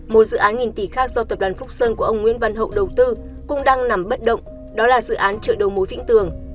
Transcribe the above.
một dự án nghìn tỷ khác do tập đoàn phúc sơn của ông nguyễn văn hậu đầu tư cũng đang nằm bất động đó là dự án chợ đầu mối vĩnh tường